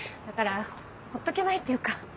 だからほっとけないっていうか。